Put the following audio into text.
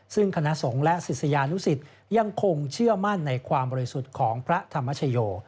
ซึ่งคณะสงฆ์และศิษยานุสิตยังคงเชื่อมั่นในความบริสุทธิ์ของพระธรรมชโย